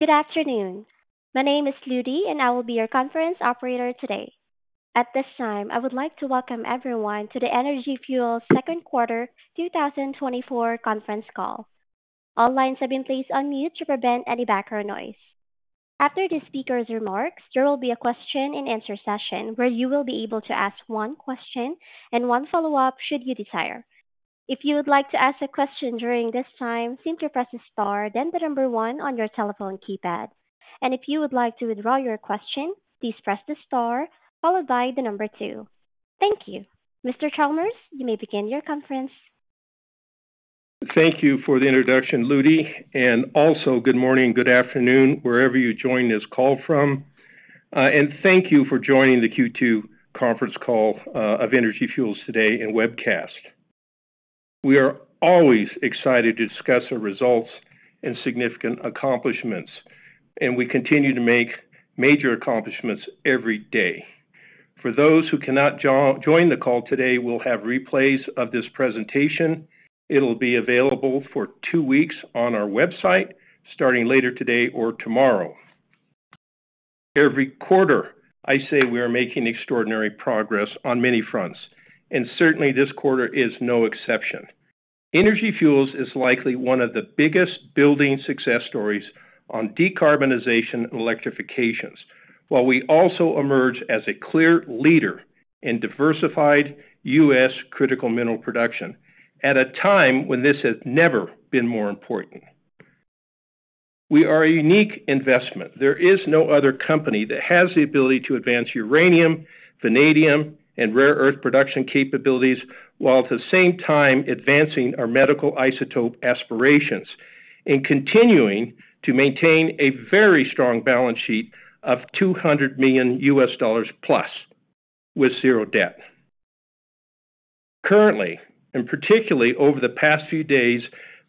Good afternoon. My name is Ludy, and I will be your conference operator today. At this time, I would like to welcome everyone to the Energy Fuels second quarter 2024 conference call. All lines have been placed on mute to prevent any background noise. After the speaker's remarks, there will be a question and answer session, where you will be able to ask one question and one follow-up should you desire. If you would like to ask a question during this time, simply press star, then the number one on your telephone keypad. If you would like to withdraw your question, please press the star followed by the number two. Thank you. Mr. Chalmers, you may begin your conference. Thank you for the introduction, Ludy, and also good morning, good afternoon, wherever you join this call from. And thank you for joining the Q2 conference call of Energy Fuels today and webcast. We are always excited to discuss our results and significant accomplishments, and we continue to make major accomplishments every day. For those who cannot join the call today, we'll have replays of this presentation. It'll be available for two weeks on our website, starting later today or tomorrow. Every quarter, I say we are making extraordinary progress on many fronts, and certainly, this quarter is no exception. Energy Fuels is likely one of the biggest building success stories on decarbonization and electrification, while we also emerge as a clear leader in diversified US critical mineral production, at a time when this has never been more important. We are a unique investment. There is no other company that has the ability to advance uranium, vanadium, and rare earth production capabilities, while at the same time advancing our medical isotope aspirations, and continuing to maintain a very strong balance sheet of $200 million+, with 0 debt. Currently, and particularly over the past few days,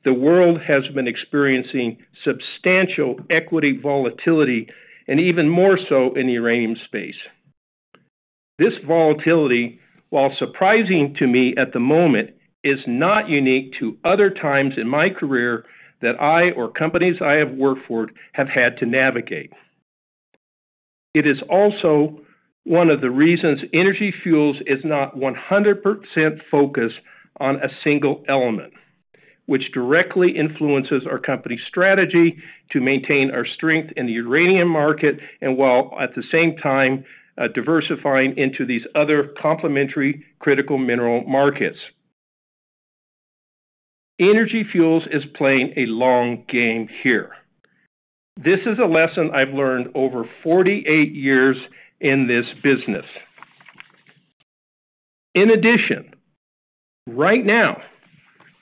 the world has been experiencing substantial equity volatility and even more so in the uranium space. This volatility, while surprising to me at the moment, is not unique to other times in my career that I or companies I have worked for have had to navigate. It is also one of the reasons Energy Fuels is not 100% focused on a single element, which directly influences our company's strategy to maintain our strength in the uranium market and while at the same time, diversifying into these other complementary critical mineral markets. Energy Fuels is playing a long game here. This is a lesson I've learned over 48 years in this business. In addition, right now,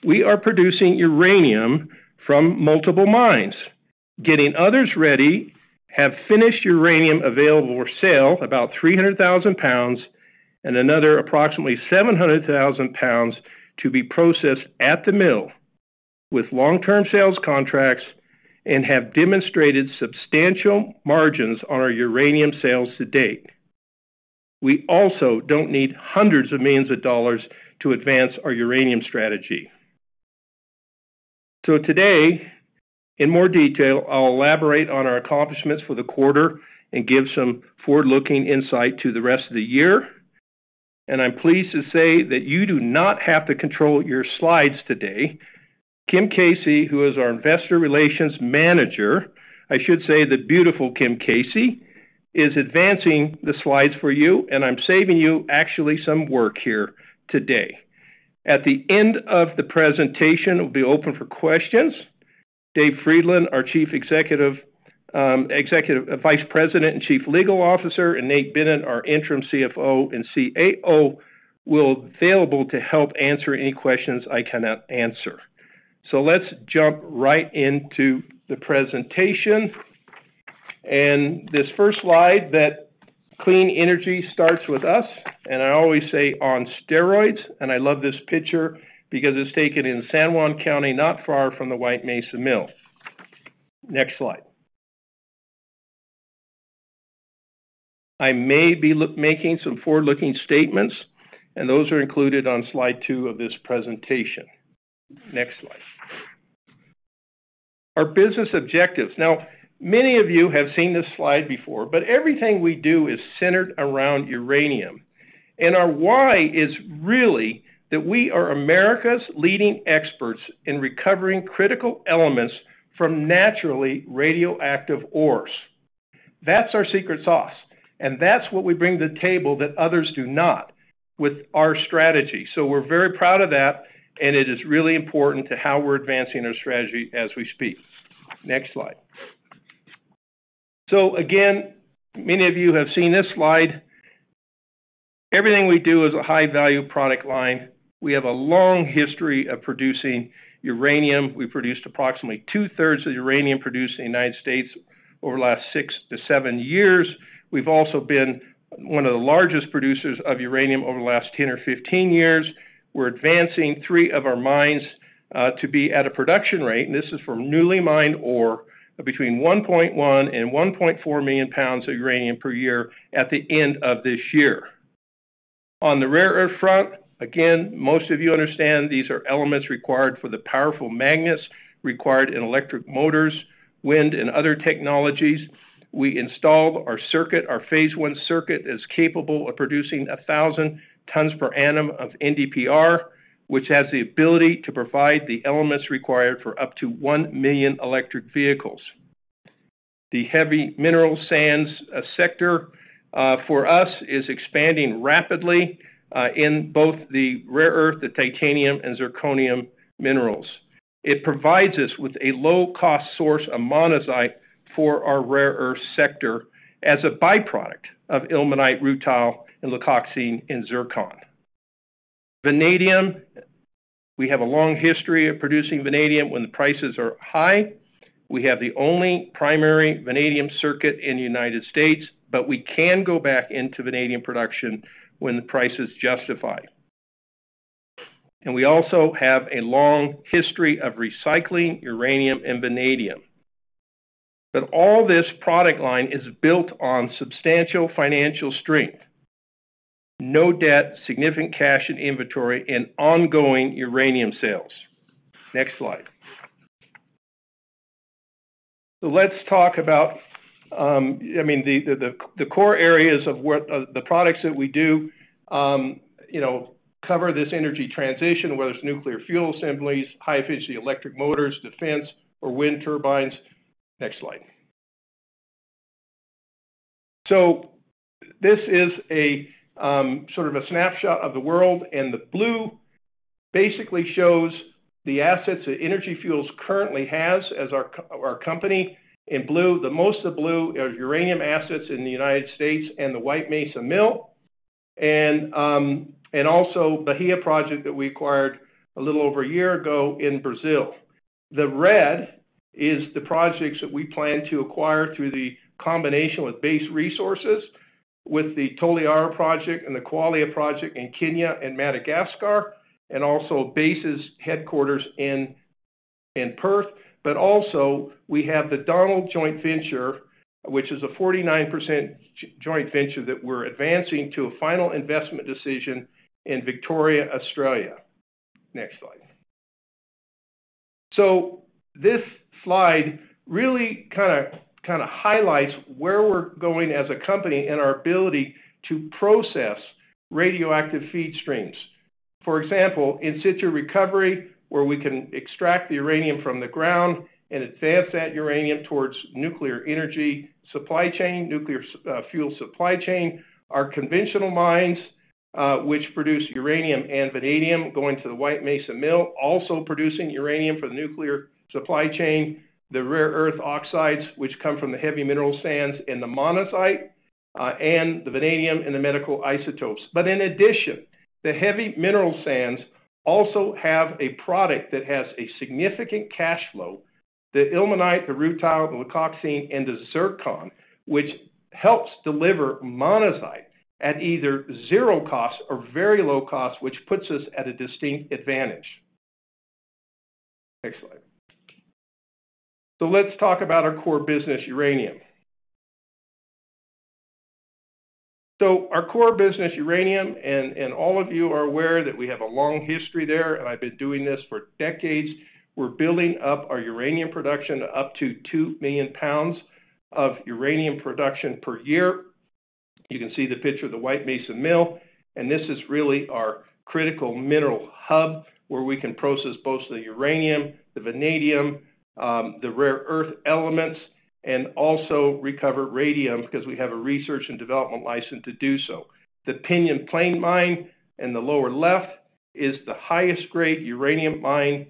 we are producing uranium from multiple mines, getting others ready, have finished uranium available for sale, about 300,000 lbs, and another approximately 700,000 lbs to be processed at the mill with long-term sales contracts and have demonstrated substantial margins on our uranium sales to date. We also don't need $hundreds of millions to advance our uranium strategy. So today, in more detail, I'll elaborate on our accomplishments for the quarter and give some forward-looking insight to the rest of the year. I'm pleased to say that you do not have to control your slides today. Kim Casey, who is our Investor Relations manager, I should say the beautiful Kim Casey, is advancing the slides for you, and I'm saving you actually some work here today. At the end of the presentation, it will be open for questions. David Frydenlund, our Chief Executive, Executive Vice President and Chief Legal Officer, and Nate Bennett, our interim CFO and CAO, will available to help answer any questions I cannot answer. So let's jump right into the presentation. This first slide, that clean energy starts with us, and I always say on steroids. I love this picture because it's taken in San Juan County, not far from the White Mesa Mill. Next slide. I may be making some forward-looking statements, and those are included on slide two of this presentation. Next slide. Our business objectives. Now, many of you have seen this slide before, but everything we do is centered around uranium, and our why is really that we are America's leading experts in recovering critical elements from naturally radioactive ores. That's our secret sauce, and that's what we bring to the table that others do not with our strategy. So we're very proud of that, and it is really important to how we're advancing our strategy as we speak. Next slide. So again, many of you have seen this slide. Everything we do is a high-value product line. We have a long history of producing uranium. We produced approximately two-thirds of the uranium produced in the United States over the last six to seven years. We've also been one of the largest producers of uranium over the last 10 or 15 years. We're advancing three of our mines to be at a production rate, and this is from newly mined ore, between 1.1 and 1.4 million lbs of uranium per year at the end of this year. On the rare earth front, again, most of you understand these are elements required for the powerful magnets required in electric motors, wind, and other technologies. We installed our circuit. Our Phase I circuit is capable of producing 1,000 tons per annum of NdPr, which has the ability to provide the elements required for up to 1 million electric vehicles. The heavy mineral sands sector for us is expanding rapidly in both the rare earth, the titanium and zirconium minerals. It provides us with a low-cost source of monazite for our rare earth sector as a byproduct of ilmenite, rutile, and leucoxene, and zircon. Vanadium, we have a long history of producing vanadium when the prices are high. We have the only primary vanadium circuit in the United States, but we can go back into vanadium production when the price is justified. And we also have a long history of recycling uranium and vanadium. But all this product line is built on substantial financial strength, no debt, significant cash and inventory, and ongoing uranium sales. Next slide. So let's talk about, I mean, the core areas of what the products that we do, you know, cover this energy transition, whether it's nuclear fuel assemblies, high-efficiency electric motors, defense, or wind turbines. Next slide. So this is a sort of a snapshot of the world, and the blue basically shows the assets that Energy Fuels currently has as our company. In blue, the most of blue are uranium assets in the United States and the White Mesa Mill, and, and also Bahia Project that we acquired a little over a year ago in Brazil. The red is the projects that we plan to acquire through the combination with Base Resources, with the Toliara Project and the Kwale Project in Kenya and Madagascar, and also Base's headquarters in Perth. But also, we have the Donald Joint Venture, which is a 49% joint venture that we're advancing to a final investment decision in Victoria, Australia. Next slide. So this slide really kinda highlights where we're going as a company and our ability to process radioactive feed streams. For example, in situ recovery, where we can extract the uranium from the ground and advance that uranium towards nuclear energy supply chain, nuclear fuel supply chain. Our conventional mines, which produce uranium and vanadium, going to the White Mesa Mill, also producing uranium for the nuclear supply chain, the rare earth oxides, which come from the heavy mineral sands and the monazite, and the vanadium and the medical isotopes. But in addition, the heavy mineral sands also have a product that has a significant cash flow, the ilmenite, the rutile, the leucoxene, and the zircon, which helps deliver monazite at either zero cost or very low cost, which puts us at a distinct advantage. Next slide. So let's talk about our core business, uranium. So our core business, uranium, and, and all of you are aware that we have a long history there, and I've been doing this for decades. We're building up our uranium production to up to 2 million lbs of uranium production per year. You can see the picture of the White Mesa Mill, and this is really our critical mineral hub, where we can process both the uranium, the vanadium, the rare earth elements, and also recover radium, because we have a research and development license to do so. The Pinyon Plain Mine in the lower left is the highest grade uranium mine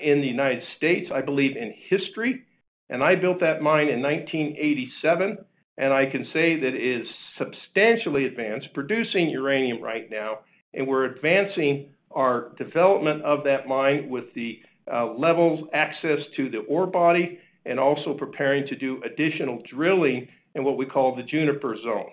in the United States, I believe, in history. And I built that mine in 1987, and I can say that it is substantially advanced, producing uranium right now, and we're advancing our development of that mine with the level of access to the ore body, and also preparing to do additional drilling in what we call the Juniper Zone.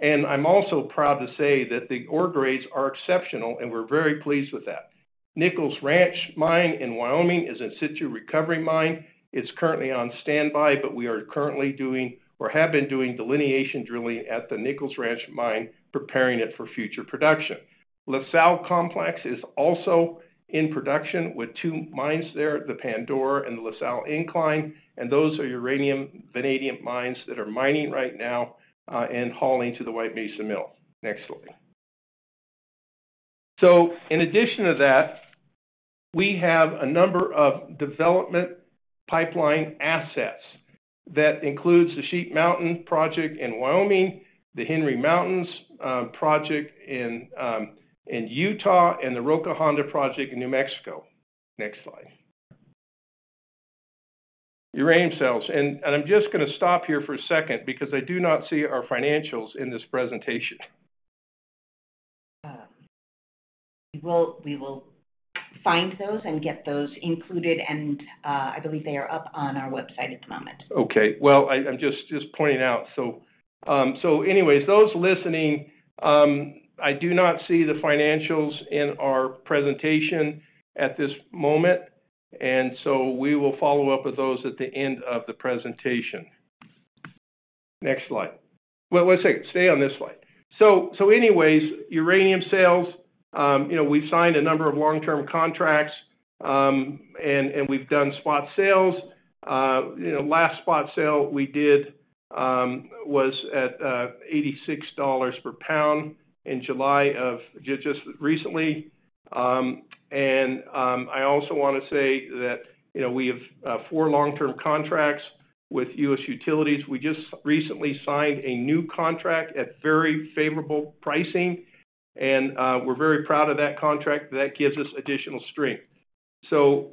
And I'm also proud to say that the ore grades are exceptional, and we're very pleased with that. Nichols Ranch Mine in Wyoming is an in situ recovery mine. It's currently on standby, but we are currently doing or have been doing delineation drilling at the Nichols Ranch Mine, preparing it for future production. La Sal Complex is also in production with two mines there, the Pandora and the La Sal Incline, and those are uranium, vanadium mines that are mining right now, and hauling to the White Mesa Mill. Next slide. So in addition to that, we have a number of development pipeline assets. That includes the Sheep Mountain Project in Wyoming, the Henry Mountains Project in Utah, and the Roca Honda Project in New Mexico. Next slide. Uranium sales. And, I'm just gonna stop here for a second because I do not see our financials in this presentation. We will, we will find those and get those included, and I believe they are up on our website at the moment. Okay. Well, I'm just pointing out. So, anyways, those listening, I do not see the financials in our presentation at this moment, and so we will follow up with those at the end of the presentation. Next slide. Well, one second, stay on this slide. So, anyways, uranium sales, you know, we've signed a number of long-term contracts, and we've done spot sales. You know, last spot sale we did was at $86 per pound in July just recently. And I also wanna say that, you know, we have 4 long-term contracts with US utilities. We just recently signed a new contract at very favorable pricing, and we're very proud of that contract. That gives us additional strength. So,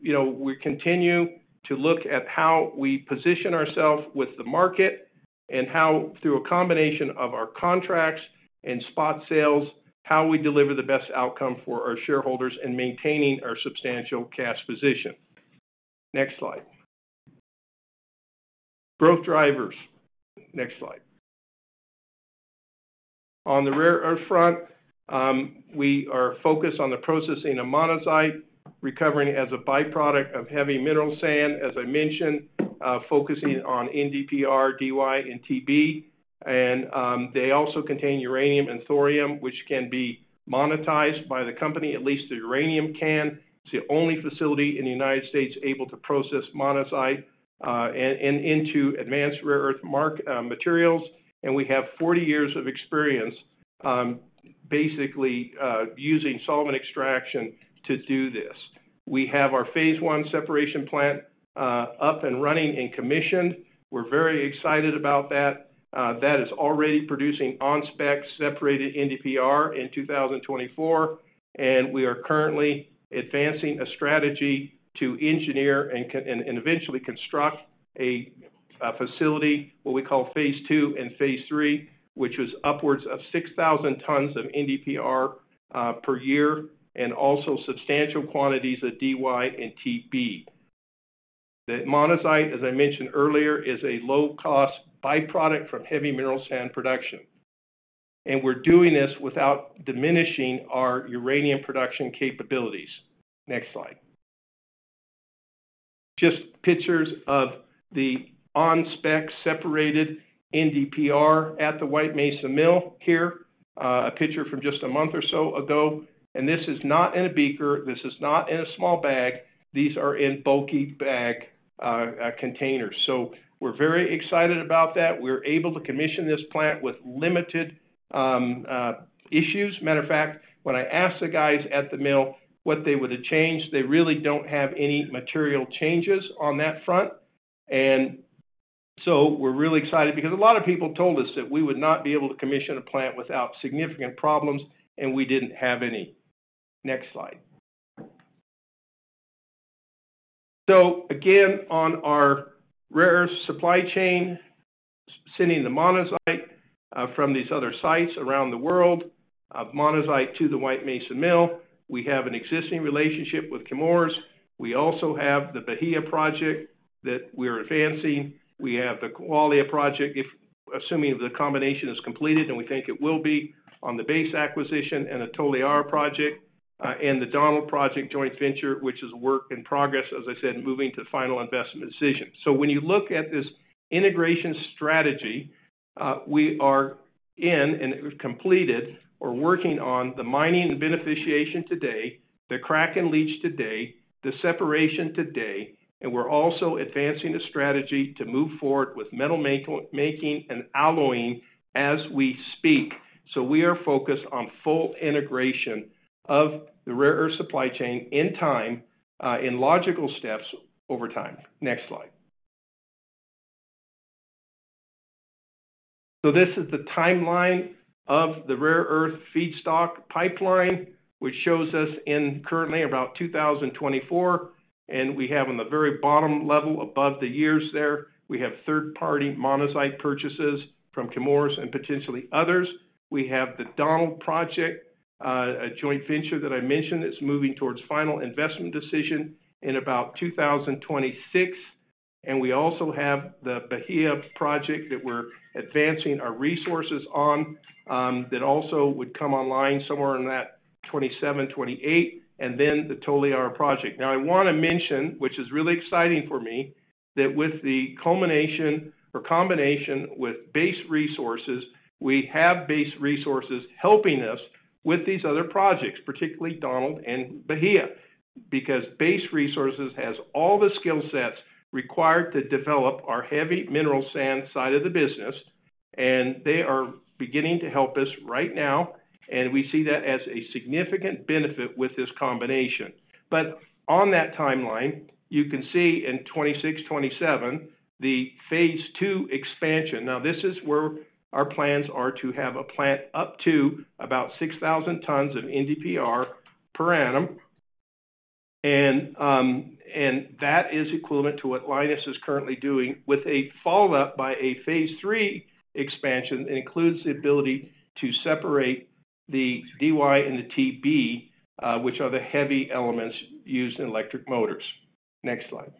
you know, we continue to look at how we position ourselves with the market, and how through a combination of our contracts and spot sales, how we deliver the best outcome for our shareholders and maintaining our substantial cash position. Next slide. Growth drivers. Next slide. On the rare earth front, we are focused on the processing of monazite, recovering as a byproduct of heavy mineral sand, as I mentioned, focusing on NdPr, Dy, and Tb. And they also contain uranium and thorium, which can be monetized by the company, at least the uranium can. It's the only facility in the United States able to process monazite, and into advanced rare earth materials. And we have 40 years of experience, basically, using solvent extraction to do this. We have our phase I separation plant up and running and commissioned. We're very excited about that. That is already producing on-spec separated NdPr in 2024, and we are currently advancing a strategy to engineer and eventually construct a facility, what we call II and Phase III, which is upwards of 6,000 tons of NdPr per year, and also substantial quantities of Dy and Tb. The monazite, as I mentioned earlier, is a low-cost byproduct from heavy mineral sand production, and we're doing this without diminishing our uranium production capabilities. Next slide. Just pictures of the on-spec separated NdPr at the White Mesa Mill here. A picture from just a month or so ago, and this is not in a beaker, this is not in a small bag. These are in bulky bag containers. So we're very excited about that. We're able to commission this plant with limited issues. Matter of fact, when I asked the guys at the mill what they would have changed, they really don't have any material changes on that front. So we're really excited because a lot of people told us that we would not be able to commission a plant without significant problems, and we didn't have any. Next slide. So again, on our rare earth supply chain, sending the monazite from these other sites around the world to the White Mesa Mill. We have an existing relationship with Chemours. We also have the Bahia Project that we're advancing. We have the Kwale project, if assuming the combination is completed, and we think it will be, on the Base acquisition and the Toliara project, and the Donald Project joint venture, which is a work in progress, as I said, moving to final investment decision. So when you look at this integration strategy, we are in and completed or working on the mining and beneficiation today, the crack and leach today, the separation today, and we're also advancing a strategy to move forward with metal making and alloying as we speak. So we are focused on full integration of the rare earth supply chain in time, in logical steps over time. Next slide. So this is the timeline of the rare earth feedstock pipeline, which shows us in currently about 2024, and we have on the very bottom level, above the years there, we have third-party monazite purchases from Chemours and potentially others. We have the Donald Project, a joint venture that I mentioned, that's moving towards final investment decision in about 2026. And we also have the Bahia Project that we're advancing our resources on, that also would come online somewhere in that 2027-2028, and then the Toliara Project. Now, I wanna mention, which is really exciting for me, that with the culmination or combination with Base Resources, we have Base Resources helping us with these other projects, particularly Donald and Bahia. Because Base Resources has all the skill sets required to develop our heavy mineral sand side of the business, and they are beginning to help us right now, and we see that as a significant benefit with this combination. But on that timeline, you can see in 2026, 2027, the phase II expansion. Now, this is where our plans are to have a plant up to about 6,000 tons of NdPr per annum. And, and that is equivalent to what Lynas is currently doing with a follow-up by a phase III expansion, and includes the ability to separate the Dy and the Tb, which are the heavy elements used in electric motors. Next slide.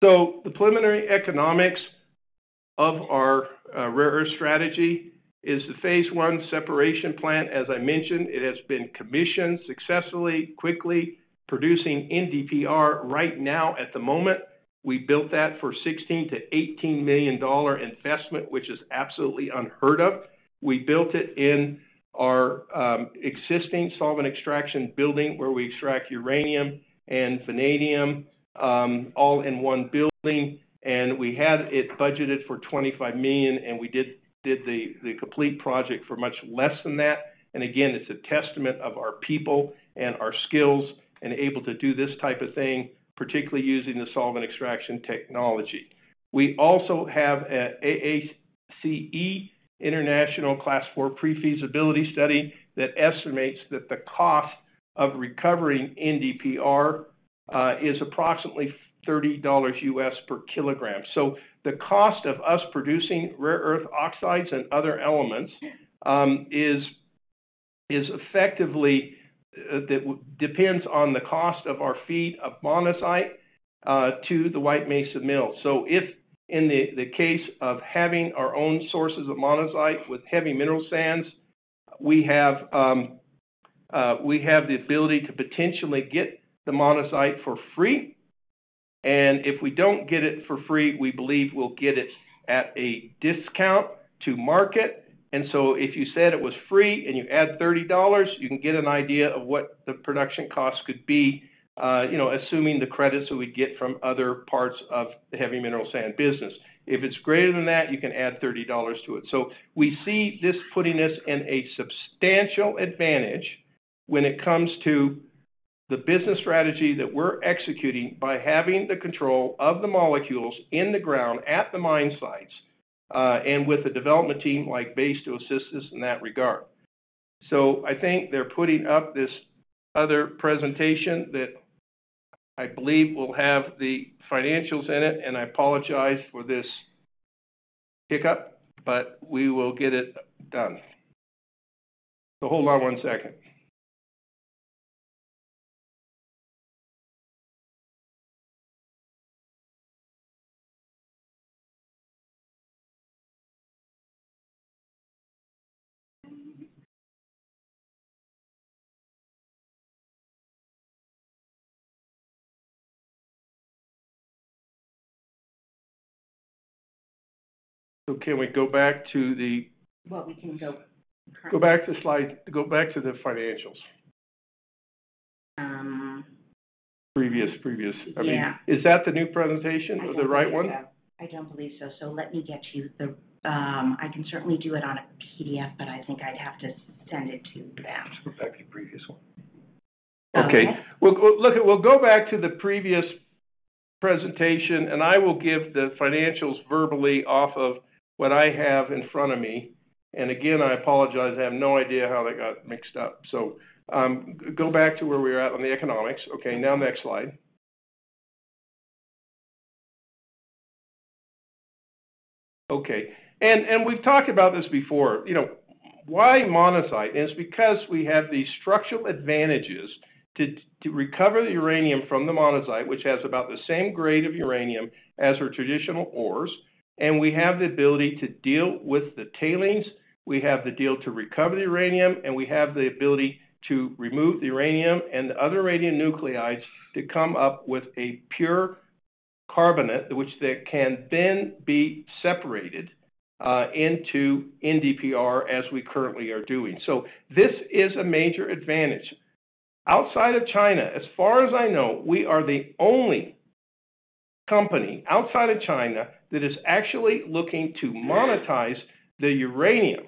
So the preliminary economics of our rare earth strategy is the phase I separation plant. As I mentioned, it has been commissioned successfully, quickly, producing NdPr right now at the moment. We built that for $16 million-$18 million investment, which is absolutely unheard of. We built it in our existing solvent extraction building, where we extract uranium and vanadium, all in one building. And we had it budgeted for $25 million, and we did the complete project for much less than that. And again, it's a testament of our people and our skills and able to do this type of thing, particularly using the solvent extraction technology. We also have a AACE International Class IV Pre-Feasibility Study that estimates that the cost of recovering NdPr is approximately $30 per kg. So the cost of us producing rare earth oxides and other elements is effectively depends on the cost of our feed of monazite to the White Mesa Mill. So if in the case of having our own sources of monazite with heavy mineral sands, we have the ability to potentially get the monazite for free, and if we don't get it for free, we believe we'll get it at a discount to market. And so if you said it was free and you add $30, you can get an idea of what the production cost could be, you know, assuming the credits that we'd get from other parts of the heavy mineral sand business. If it's greater than that, you can add $30 to it. So we see this putting us in a substantial advantage when it comes to the business strategy that we're executing by having the control of the molecules in the ground, at the mine sites, and with a development team like Base to assist us in that regard. So I think they're putting up this other presentation that I believe will have the financials in it, and I apologize for this hiccup, but we will get it done. So hold on one second. So can we go back to the- Well, we can go- Go back to slide... Go back to the financials. Um. Previous, previous. Yeah. I mean, is that the new presentation or the right one? I don't believe so. So let me get you the, I can certainly do it on a PDF, but I think I'd have to send it to you back. Let's go back to the previous one. Okay. Well, look, we'll go back to the previous presentation, and I will give the financials verbally off of what I have in front of me. And again, I apologize. I have no idea how they got mixed up. So, go back to where we were at on the economics. Okay, now next slide. Okay, and, and we've talked about this before. You know, why monazite? And it's because we have the structural advantages to, to recover the uranium from the monazite, which has about the same grade of uranium as our traditional ores, and we have the ability to deal with the tailings, we have the deal to recover the uranium, and we have the ability to remove the uranium and the other radionuclides to come up with a pure carbonate, which they can then be separated into NdPr, as we currently are doing. So this is a major advantage. Outside of China, as far as I know, we are the only company, outside of China, that is actually looking to monetize the uranium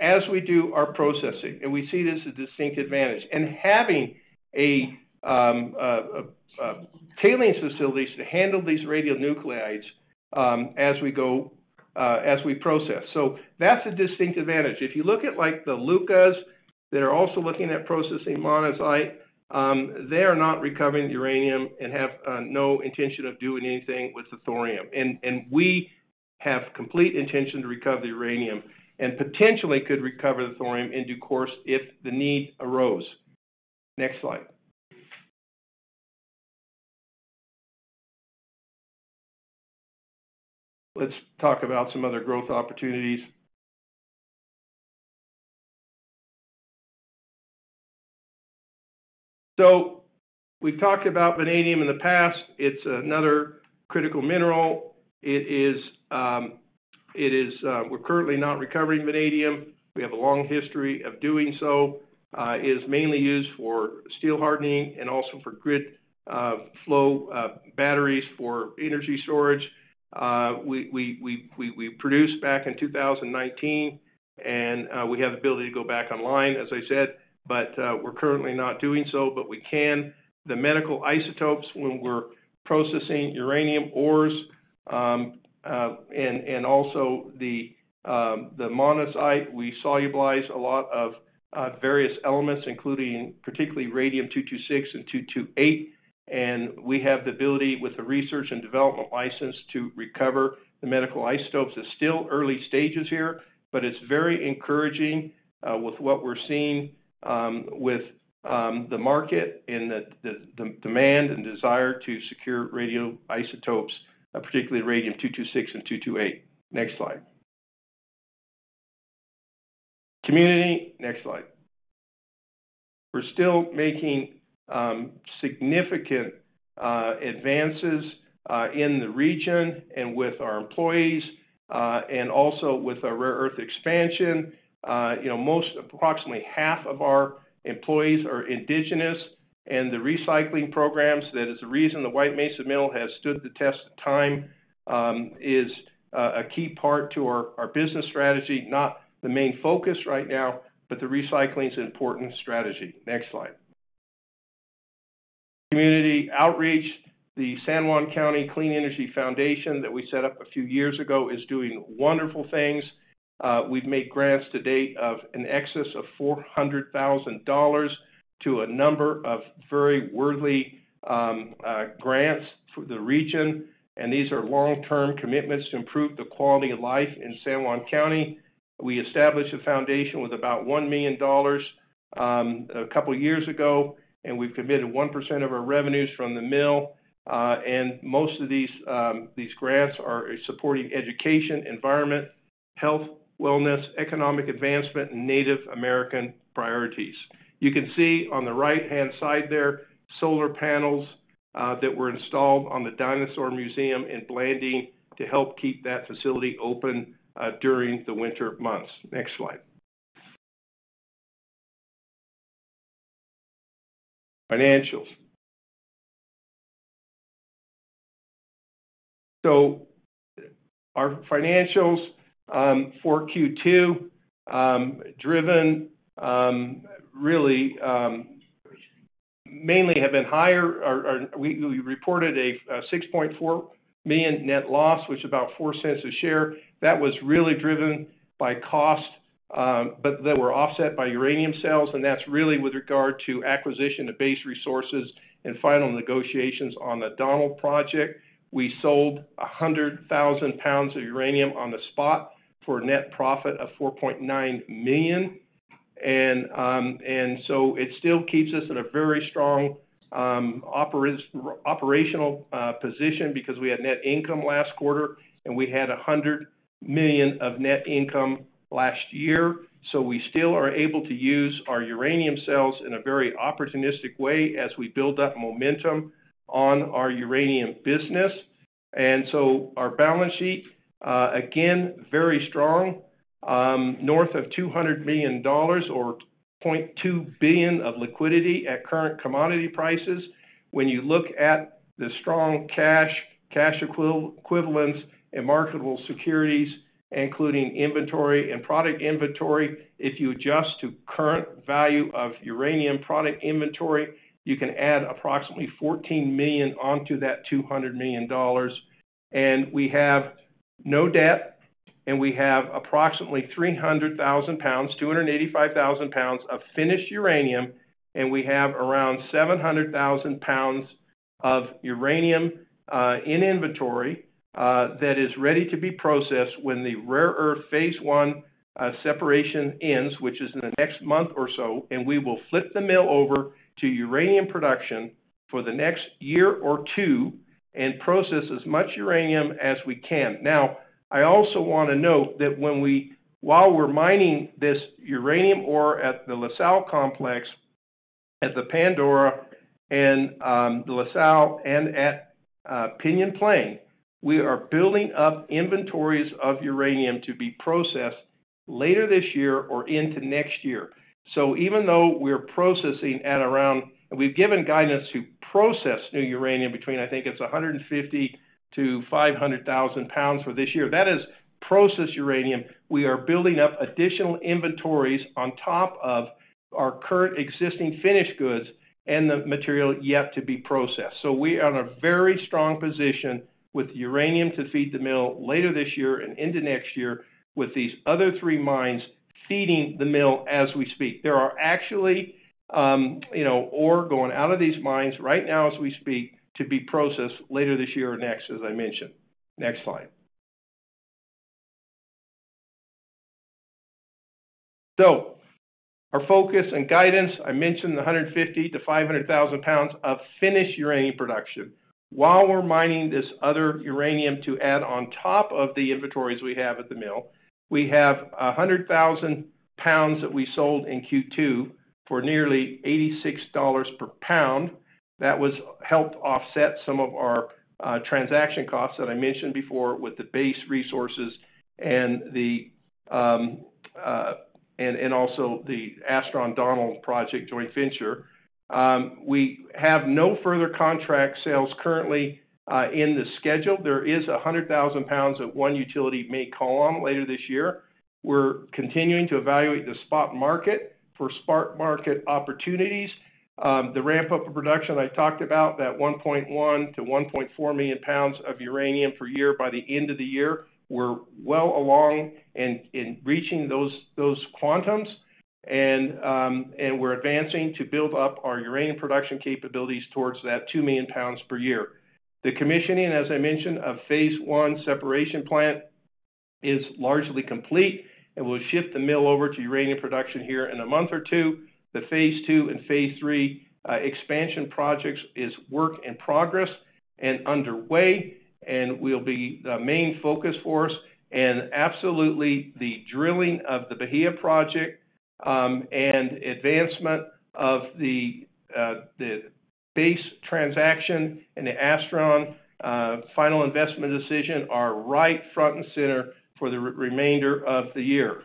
as we do our processing, and we see this as a distinct advantage. And having a tailings facilities to handle these radionuclides, as we go, as we process. So that's a distinct advantage. If you look at, like, the Lynas, that are also looking at processing monazite, they are not recovering the uranium and have no intention of doing anything with the thorium. And we have complete intention to recover the uranium, and potentially could recover the thorium in due course if the need arose. Next slide. Let's talk about some other growth opportunities. So we've talked about vanadium in the past. It's another critical mineral. It is. We're currently not recovering vanadium. We have a long history of doing so. It is mainly used for steel hardening and also for grid flow batteries for energy storage. We produced back in 2019, and we have the ability to go back online, as I said, but we're currently not doing so, but we can. The medical isotopes, when we're processing uranium ores, and also the monazite, we solubilize a lot of various elements, including particularly radium-226 and 228, and we have the ability, with the research and development license, to recover the medical isotopes. It's still early stages here, but it's very encouraging with what we're seeing with the market and the demand and desire to secure radioisotopes, particularly radium-226 and radium-228. Next slide. Community. Next slide. We're still making significant advances in the region and with our employees and also with our rare earth expansion. You know, most, approximately half of our employees are indigenous, and the recycling programs, that is the reason the White Mesa Mill has stood the test of time, is a key part to our business strategy. Not the main focus right now, but the recycling is an important strategy. Next slide. Community outreach, the San Juan County Clean Energy Foundation that we set up a few years ago, is doing wonderful things. We've made grants to date of an excess of $400,000 to a number of very worthy grants for the region, and these are long-term commitments to improve the quality of life in San Juan County. We established a foundation with about $1 million a couple of years ago, and we've committed 1% of our revenues from the mill. And most of these grants are supporting education, environment, health, wellness, economic advancement, and Native American priorities. You can see on the right-hand side there, solar panels that were installed on the Dinosaur Museum in Blanding to help keep that facility open during the winter months. Next slide. Financials. So our financials for Q2, we reported a $6.4 million net loss, which is about $0.04 a share. That was really driven by cost, but they were offset by uranium sales, and that's really with regard to acquisition of Base Resources and final negotiations on the Donald Project. We sold 100,000 lbs of uranium on the spot for a net profit of $4.9 million. And so it still keeps us in a very strong operational position because we had net income last quarter, and we had $100 million of net income last year. So we still are able to use our uranium sales in a very opportunistic way as we build up momentum on our uranium business. Our balance sheet, again, very strong, north of $200 million or $0.2 billion of liquidity at current commodity prices. When you look at the strong cash, cash equivalents and marketable securities, including inventory and product inventory, if you adjust to current value of uranium product inventory, you can add approximately $14 million onto that $200 million. We have no debt, and we have approximately 300,000 lbs, 285,000 lbs of finished uranium, and we have around 700,000 lbs of uranium in inventory that is ready to be processed when the rare earth phase I separation ends, which is in the next month or so. We will flip the mill over to uranium production for the next year or two and process as much uranium as we can. Now, I also want to note that when we—while we're mining this uranium ore at the La Sal Complex, at the Pandora and La Sal and at Pinyon Plain, we are building up inventories of uranium to be processed later this year or into next year. So even though we're processing at around... We've given guidance to process new uranium between, I think it's 150 to 500,000 lbs for this year. That is processed uranium. We are building up additional inventories on top of our current existing finished goods and the material yet to be processed. So we are in a very strong position with uranium to feed the mill later this year and into next year, with these other three mines feeding the mill as we speak. There are actually, you know, ore going out of these mines right now as we speak, to be processed later this year or next, as I mentioned. Next slide. So our focus and guidance, I mentioned the 150,000-500,000 lbs of finished uranium production. While we're mining this other uranium to add on top of the inventories we have at the mill, we have a 100,000 lbs that we sold in Q2 for nearly $86 per lbs. That was help offset some of our transaction costs that I mentioned before with the Base Resources and the and also the Astron Donald Project joint venture. We have no further contract sales currently in the schedule. There is a 100,000 lbs that one utility may call on later this year. We're continuing to evaluate the spot market for spot market opportunities. The ramp-up of production, I talked about that 1.1-1.4 million lbs of uranium per year by the end of the year. We're well along in reaching those quantums and we're advancing to build up our uranium production capabilities towards that 2 million lbs per year. The commissioning, as I mentioned, of phase I separation plant is largely complete, and we'll ship the mill over to uranium production here in a month or two. The phase II and phase III expansion projects is work in progress and underway and will be the main focus for us. And absolutely, the drilling of the Bahia Project-... And advancement of the Base transaction and the Astron final investment decision are right front and center for the remainder of the year.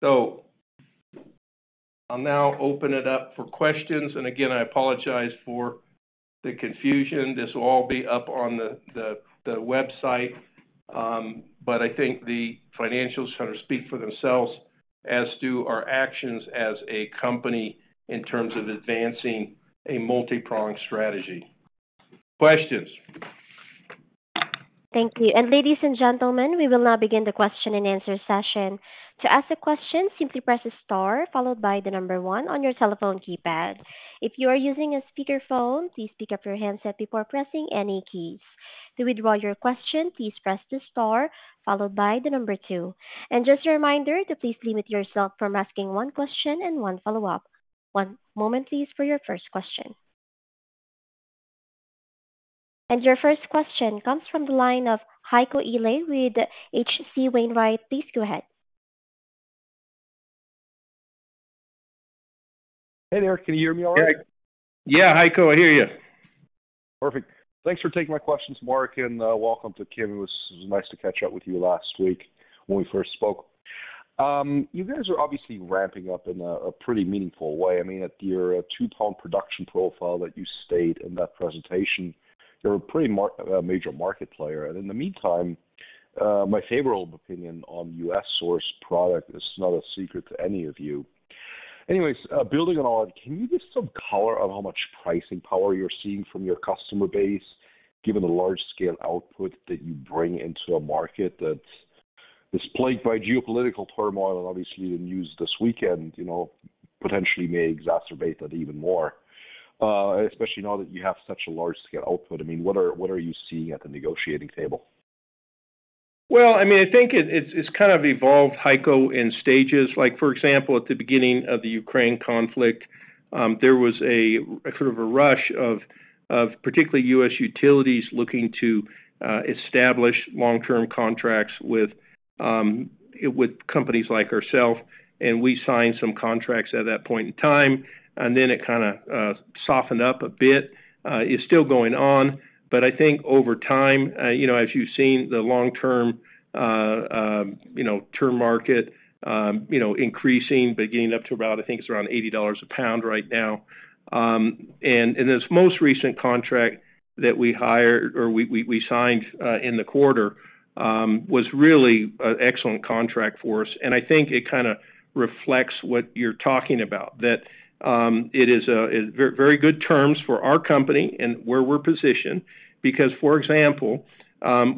So I'll now open it up for questions, and again, I apologize for the confusion. This will all be up on the website. But I think the financials kind of speak for themselves, as do our actions as a company in terms of advancing a multipronged strategy. Questions? Thank you. And ladies and gentlemen, we will now begin the question and answer session. To ask a question, simply press star followed by the number one on your telephone keypad. If you are using a speakerphone, please pick up your handset before pressing any keys. To withdraw your question, please press the star followed by the number two. And just a reminder to please limit yourself from asking one question and one follow-up. One moment, please, for your first question. And your first question comes from the line of Heiko Ihle with H.C. Wainwright. Please go ahead. Hey there, can you hear me all right? Yeah, Heiko, I hear you. Perfect. Thanks for taking my questions, Mark, and welcome to Kim. It was nice to catch up with you last week when we first spoke. You guys are obviously ramping up in a pretty meaningful way. I mean, at your 2-pound production profile that you stated in that presentation, you're a pretty major market player. And in the meantime, my favorable opinion on U.S. source product is not a secret to any of you. Anyways, building on, can you give some color on how much pricing power you're seeing from your customer base, given the large scale output that you bring into a market that is plagued by geopolitical turmoil? Obviously, the news this weekend, you know, potentially may exacerbate that even more, especially now that you have such a large-scale output. I mean, what are you seeing at the negotiating table? Well, I mean, I think it's kind of evolved, Heiko, in stages. Like, for example, at the beginning of the Ukraine conflict, there was a sort of a rush of particularly U.S. utilities looking to establish long-term contracts with companies like ourselves, and we signed some contracts at that point in time, and then it kinda softened up a bit. It's still going on, but I think over time, you know, as you've seen the long-term term market you know, increasing, but getting up to about I think it's around $80 a pound right now. And in this most recent contract that we hired or we signed in the quarter was really an excellent contract for us, and I think it kinda reflects what you're talking about, that it is a very good terms for our company and where we're positioned. Because, for example,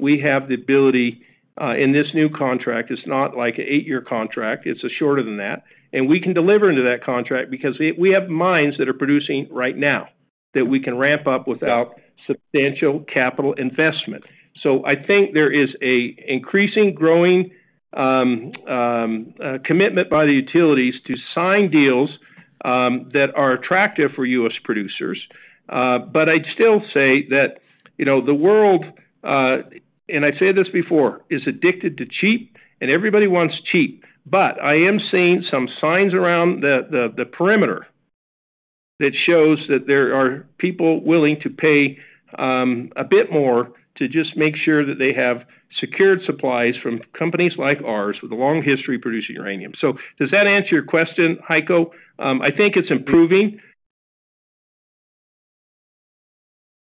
we have the ability in this new contract, it's not like an 8-year contract, it's a shorter than that. And we can deliver into that contract because we have mines that are producing right now, that we can ramp up without substantial capital investment. So I think there is a increasing, growing commitment by the utilities to sign deals that are attractive for U.S. producers. But I'd still say that, you know, the world, and I said this before, is addicted to cheap, and everybody wants cheap. But I am seeing some signs around the perimeter that shows that there are people willing to pay a bit more to just make sure that they have secured supplies from companies like ours with a long history of producing uranium. So does that answer your question, Heiko? I think it's improving.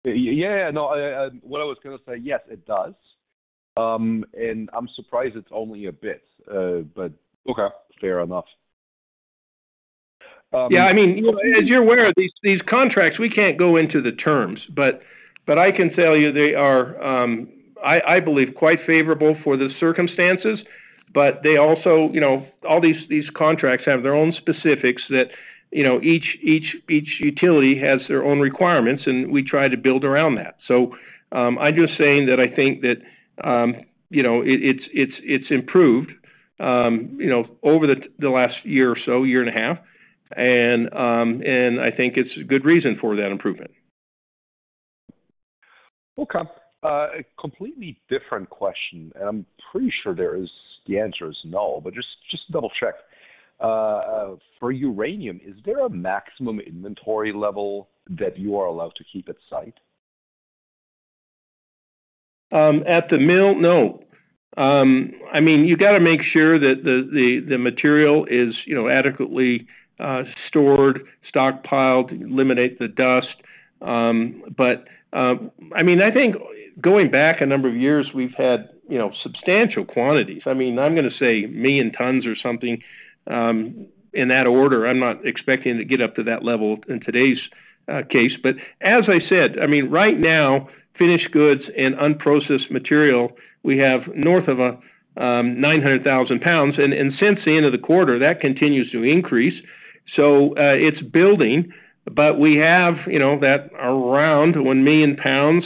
Yeah. No, what I was gonna say, yes, it does. And I'm surprised it's only a bit, but- Okay. Fair enough. Yeah, I mean, as you're aware, these contracts, we can't go into the terms, but I can tell you they are, I believe, quite favorable for the circumstances, but they also, you know, all these contracts have their own specifics that, you know, each utility has their own requirements, and we try to build around that. So, I'm just saying that I think that, you know, it's improved, you know, over the last year or so, year and a half. And I think it's a good reason for that improvement. Okay. A completely different question, and I'm pretty sure there is... the answer is no, but just, just to double-check. For uranium, is there a maximum inventory level that you are allowed to keep at site? At the mill, no. I mean, you gotta make sure that the material is, you know, adequately stored, stockpiled, eliminate the dust. But, I mean, I think going back a number of years, we've had, you know, substantial quantities. I mean, I'm gonna say 1 million tons or something, in that order. I'm not expecting to get up to that level in today's case. But as I said, I mean, right now, finished goods and unprocessed material, we have north of 900,000 lbs. And since the end of the quarter, that continues to increase. So, it's building, but we have, you know, that around 1 million lbs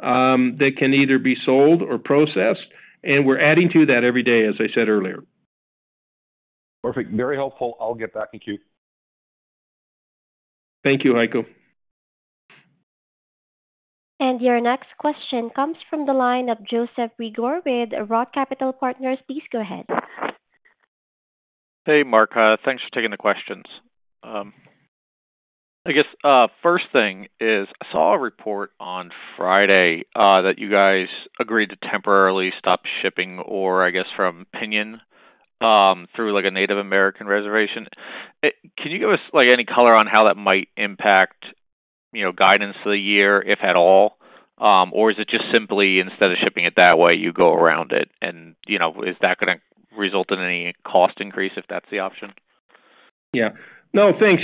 that can either be sold or processed, and we're adding to that every day, as I said earlier. Perfect. Very helpful. I'll get back. Thank you.... Thank you, Heiko. Your next question comes from the line of Joseph Reagor with Roth Capital Partners. Please go ahead. Hey, Mark. Thanks for taking the questions. I guess, first thing is, I saw a report on Friday, that you guys agreed to temporarily stop shipping ore, I guess, from Pinyon, through, like, a Native American reservation. Could you give us, like, any color on how that might impact, you know, guidance for the year, if at all? Or is it just simply instead of shipping it that way, you go around it and, you know, is that gonna result in any cost increase, if that's the option? Yeah. No, thanks,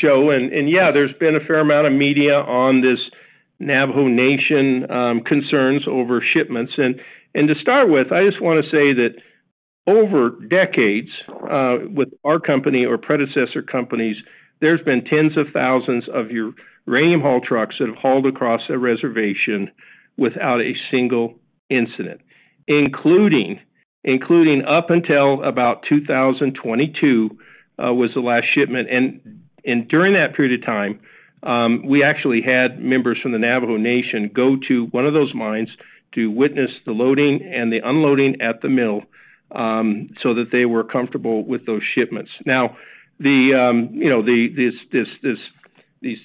Joe, and yeah, there's been a fair amount of media on this Navajo Nation concerns over shipments. And to start with, I just wanna say that over decades, with our company or predecessor companies, there's been tens of thousands of uranium haul trucks that have hauled across the reservation without a single incident, including up until about 2022, was the last shipment. And during that period of time, we actually had members from the Navajo Nation go to one of those mines to witness the loading and the unloading at the mill, so that they were comfortable with those shipments. Now, you know, these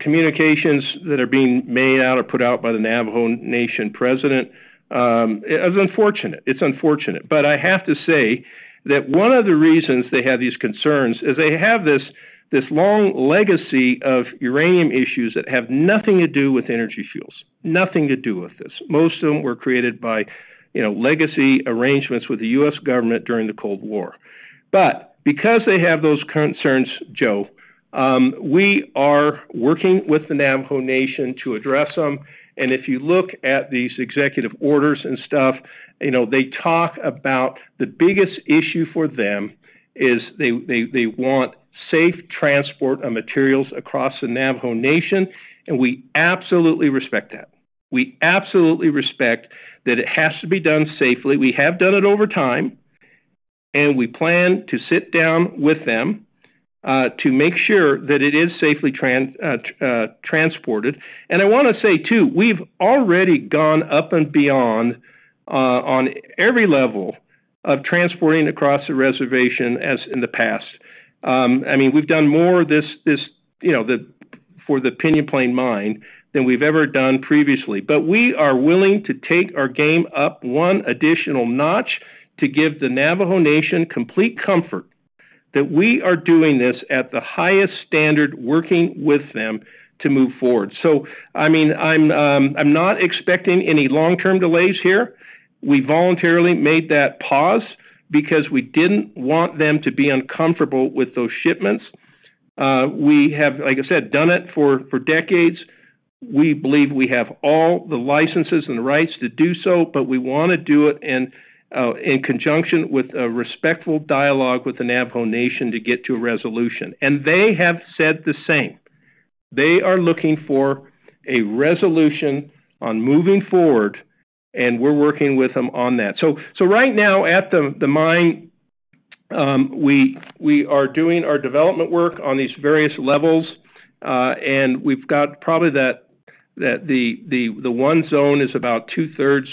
communications that are being made out or put out by the Navajo Nation president, is unfortunate. It's unfortunate, but I have to say that one of the reasons they have these concerns is they have this long legacy of uranium issues that have nothing to do with Energy Fuels, nothing to do with this. Most of them were created by, you know, legacy arrangements with the U.S. government during the Cold War. But because they have those concerns, Joe, we are working with the Navajo Nation to address them, and if you look at these executive orders and stuff, you know, they talk about the biggest issue for them is they want safe transport of materials across the Navajo Nation, and we absolutely respect that. We absolutely respect that it has to be done safely. We have done it over time, and we plan to sit down with them to make sure that it is safely transported. I wanna say, too, we've already gone up and beyond on every level of transporting across the reservation as in the past. I mean, we've done more of this, you know, for the Pinyon Plain Mine than we've ever done previously. But we are willing to take our game up one additional notch to give the Navajo Nation complete comfort that we are doing this at the highest standard, working with them to move forward. So, I mean, I'm not expecting any long-term delays here. We voluntarily made that pause because we didn't want them to be uncomfortable with those shipments. We have, like I said, done it for decades. We believe we have all the licenses and rights to do so, but we wanna do it in conjunction with a respectful dialogue with the Navajo Nation to get to a resolution, and they have said the same. They are looking for a resolution on moving forward, and we're working with them on that. Right now, at the mine, we are doing our development work on these various levels, and we've got probably the one zone is about two-thirds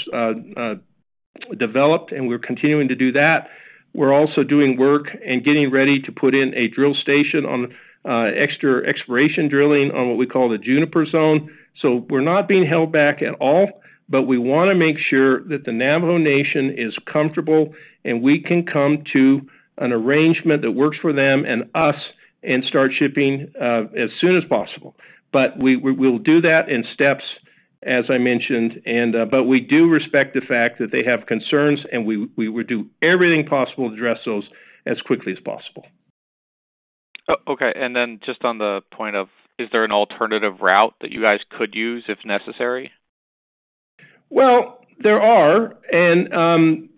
developed, and we're continuing to do that. We're also doing work and getting ready to put in a drill station on extra exploration drilling on what we call the Juniper Zone. So we're not being held back at all, but we wanna make sure that the Navajo Nation is comfortable, and we can come to an arrangement that works for them and us and start shipping as soon as possible. But we'll do that in steps, as I mentioned. But we do respect the fact that they have concerns, and we will do everything possible to address those as quickly as possible. Oh, okay. And then just on the point of, is there an alternative route that you guys could use if necessary? Well, there are, and,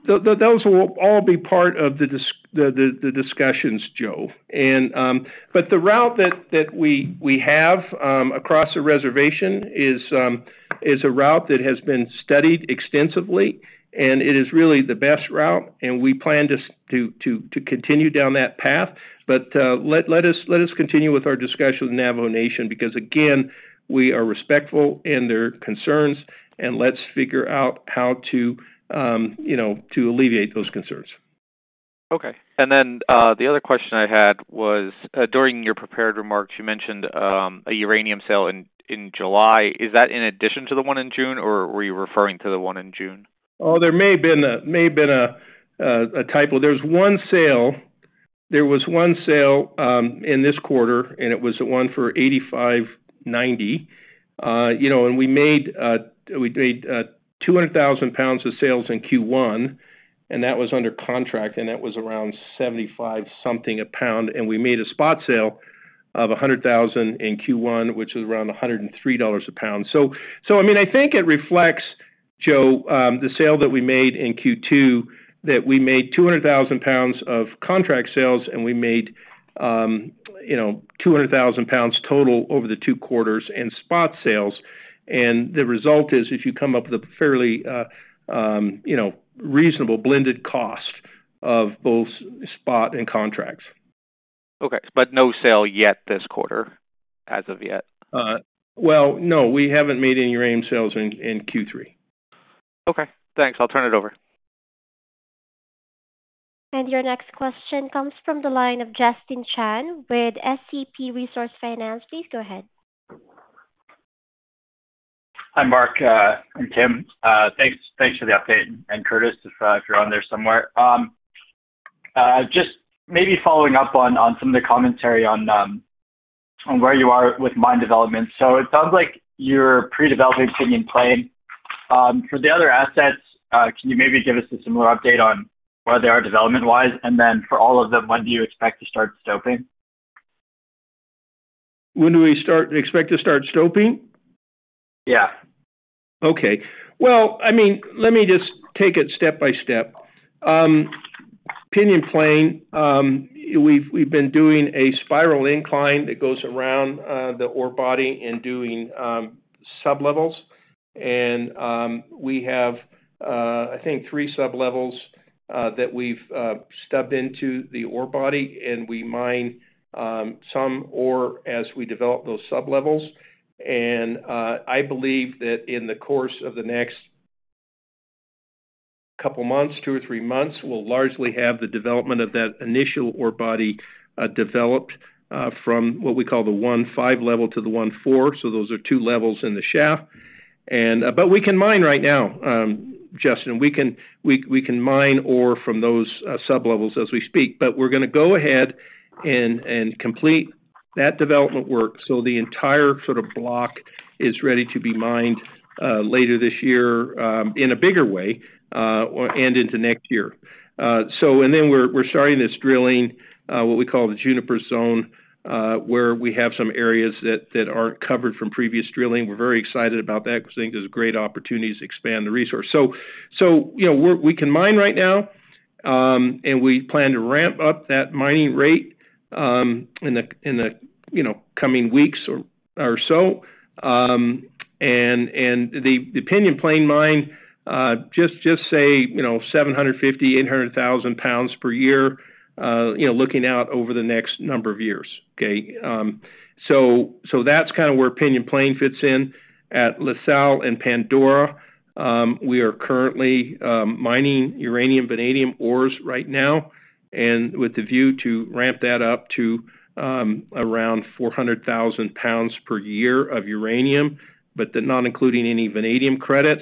those will all be part of the discussions, Joe. And, but the route that we have across the reservation is a route that has been studied extensively, and it is really the best route, and we plan to continue down that path. But, let us continue with our discussion with Navajo Nation, because, again, we are respectful in their concerns, and let's figure out how to, you know, to alleviate those concerns. Okay. And then, the other question I had was, during your prepared remarks, you mentioned, a uranium sale in, in July. Is that in addition to the one in June, or were you referring to the one in June? Oh, there may have been a typo. There was one sale in this quarter, and it was the one for $85.90. You know, and we made 200,000 lbs of sales in Q1, and that was under contract, and that was around $75-something a pound, and we made a spot sale of 100,000 in Q1, which is around $103 a pound. So, I mean, I think it reflects, Joe, the sale that we made in Q2, that we made 200,000 lbs of contract sales, and we made, you know, 200,000 lbs total over the two quarters in spot sales. And the result is, if you come up with a fairly, you know, reasonable blended cost. of both spot and contracts. Okay, but no sale yet this quarter, as of yet? Well, no, we haven't made any uranium sales in Q3. Okay, thanks. I'll turn it over. Your next question comes from the line of Justin Chan with SCP Resource Finance. Please go ahead. Hi, Mark, and Kim. Thanks, thanks for the update, and Curtis, if you're on there somewhere. Just maybe following up on some of the commentary on where you are with mine development. So it sounds like your pre-development Pinyon Plain. For the other assets, can you maybe give us a similar update on where they are development-wise? And then for all of them, when do you expect to start stoping? When do we expect to start stoping? Yeah. Okay. Well, I mean, let me just take it step by step. Pinyon Plain, we've been doing a spiral incline that goes around the ore body and doing sublevels. And we have, I think 3 sublevels that we've stubbed into the ore body, and we mine some ore as we develop those sublevels. And I believe that in the course of the next couple of months, 2 or 3 months, we'll largely have the development of that initial ore body developed from what we call the 15 level to the 14, so those are two levels in the shaft. And... But we can mine right now, Justin. We can mine ore from those sublevels as we speak, but we're gonna go ahead and complete that development work so the entire sort of block is ready to be mined later this year in a bigger way and into next year. So we're starting this drilling what we call the Juniper Zone, where we have some areas that aren't covered from previous drilling. We're very excited about that because I think there's great opportunities to expand the resource. So you know, we can mine right now and we plan to ramp up that mining rate in the coming weeks or so. And the Pinyon Plain Mine, just say, you know, 750-800,000 lbs per year, you know, looking out over the next number of years, okay? So that's kind of where Pinyon Plain fits in. At La Sal and Pandora, we are currently mining uranium, vanadium ores right now, and with the view to ramp that up to around 400,000 lbs per year of uranium, but not including any vanadium credits.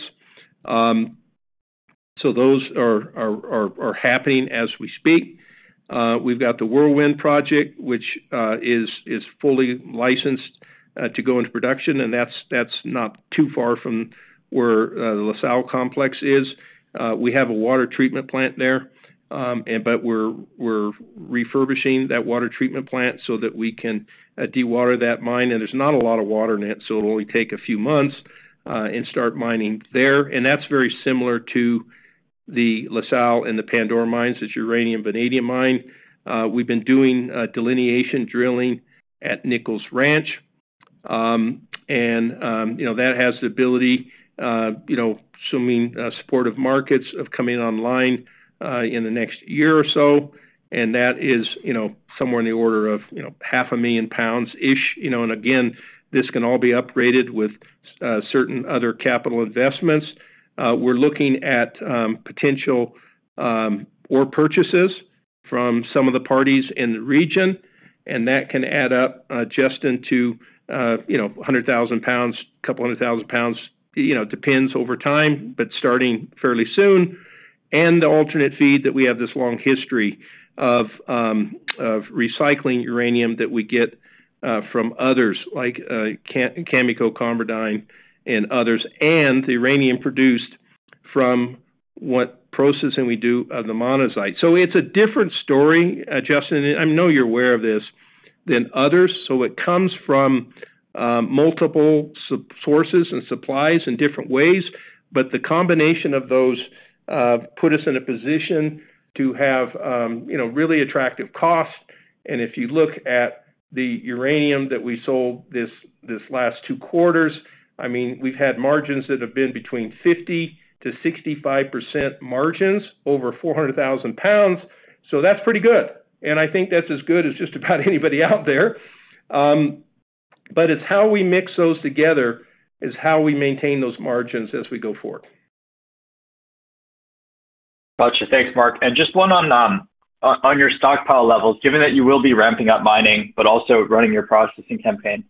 So those are happening as we speak. We've got the Whirlwind project, which is fully licensed to go into production, and that's not too far from where the La Sal complex is. We have a water treatment plant there, and but we're refurbishing that water treatment plant so that we can dewater that mine, and there's not a lot of water in it, so it'll only take a few months, and start mining there. And that's very similar to the La Sal and the Pandora mines, it's uranium, vanadium mine. We've been doing delineation drilling at Nichols Ranch. And you know, that has the ability you know, assuming supportive markets of coming online in the next year or so, and that is you know, somewhere in the order of you know, 500,000 pounds-ish. You know, and again, this can all be upgraded with certain other capital investments. We're looking at potential ore purchases from some of the parties in the region, and that can add up just into, you know, 100,000 lbs, a couple of 100,000 lbs, you know, it depends over time, but starting fairly soon. And the alternate feed that we have this long history of recycling uranium that we get from others, like Cameco, ConverDyn, and others, and the uranium produced from what processing we do of the monazite. So it's a different story, Justin, I know you're aware of this, than others. So it comes from multiple sources and supplies in different ways, but the combination of those put us in a position to have, you know, really attractive costs. If you look at the uranium that we sold this last two quarters, I mean, we've had margins that have been between 50%-65% margins, over 400,000 lbs. So that's pretty good. And I think that's as good as just about anybody out there. But it's how we mix those together, is how we maintain those margins as we go forward. Got you. Thanks, Mark. And just one on your stockpile levels, given that you will be ramping up mining, but also running your processing campaign,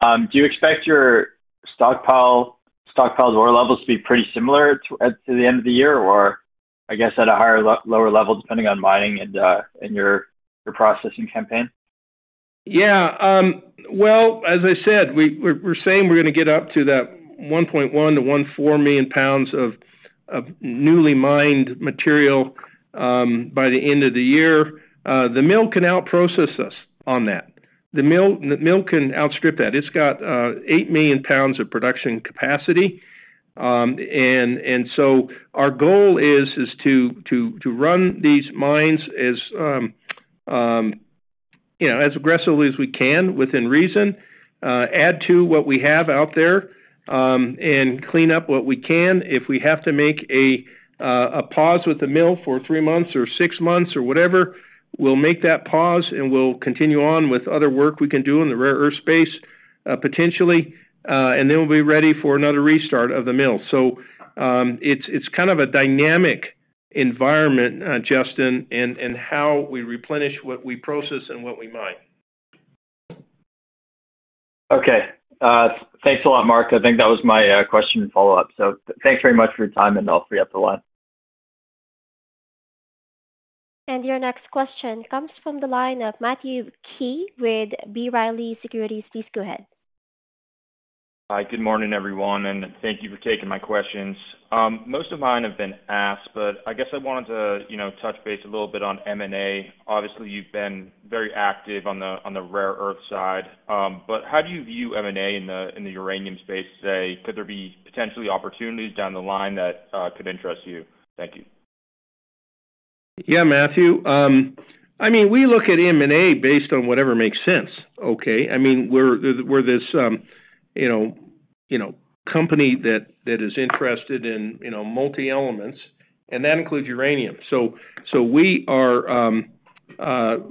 do you expect your stockpile ore levels to be pretty similar to the end of the year, or I guess at a higher or lower level, depending on mining and your processing campaign? Yeah. Well, as I said, we're saying we're gonna get up to that 1.1-1.4 million lbs of newly mined material by the end of the year. The mill can outprocess us on that. The mill can outstrip that. It's got eight million lbs of production capacity. And so our goal is to run these mines as you know, as aggressively as we can within reason, add to what we have out there, and clean up what we can. If we have to make a pause with the mill for 3 months or 6 months or whatever, we'll make that pause, and we'll continue on with other work we can do in the rare earth space, potentially, and then we'll be ready for another restart of the mill. So, it's kind of a dynamic environment, Justin, in how we replenish what we process and what we mine. Okay. Thanks a lot, Mark. I think that was my question and follow-up. Thanks very much for your time, and I'll free up the line. Your next question comes from the line of Matthew Key with B. Riley Securities. Please go ahead. Hi, good morning, everyone, and thank you for taking my questions. Most of mine have been asked, but I guess I wanted to, you know, touch base a little bit on M&A. Obviously, you've been very active on the, on the rare earth side, but how do you view M&A in the, in the uranium space today? Could there be potentially opportunities down the line that, could interest you? Thank you. Yeah, Matthew. I mean, we look at M&A based on whatever makes sense, okay? I mean, we're this, you know, company that is interested in, you know, multi-elements, and that includes uranium. So, we are,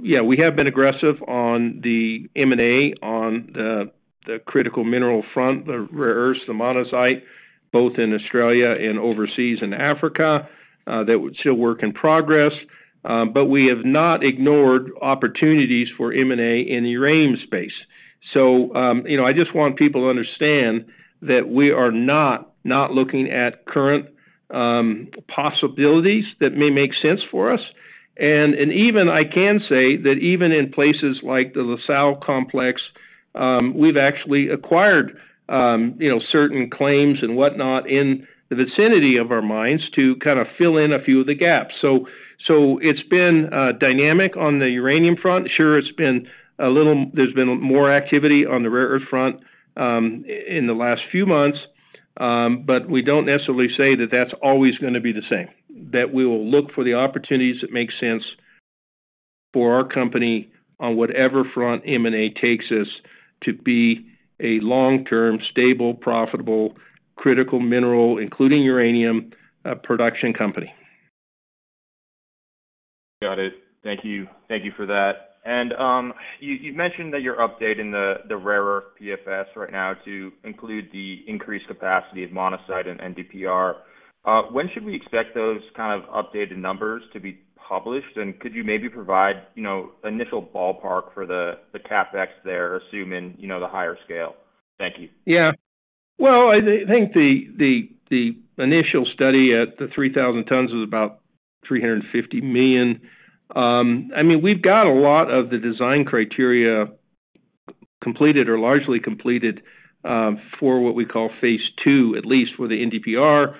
yeah, we have been aggressive on the M&A on the critical mineral front, the rare earths, the monazite, both in Australia and overseas in Africa, that would still work in progress. But we have not ignored opportunities for M&A in the uranium space. So, you know, I just want people to understand that we are not looking at current possibilities that may make sense for us. And even I can say that even in places like the La Sal Complex, we've actually acquired, you know, certain claims and whatnot in the vicinity of our mines to kind of fill in a few of the gaps. So it's been dynamic on the uranium front. Sure, it's been a little—there's been more activity on the rare earth front, in the last few months, but we don't necessarily say that that's always gonna be the same, that we will look for the opportunities that make sense for our company on whatever front M&A takes us to be a long-term, stable, profitable, critical mineral, including uranium, production company. Got it. Thank you. Thank you for that. And, you, you've mentioned that you're updating the, the rare earth PFS right now to include the increased capacity of monazite and NdPr. When should we expect those kind of updated numbers to be published? And could you maybe provide, you know, initial ballpark for the, the CapEx there, assuming, you know, the higher scale? Thank you. Yeah. Well, I think the initial study at the 3,000 tons was about $350 million. I mean, we've got a lot of the design criteria completed or largely completed, for what we call phase II, at least for the NdPr.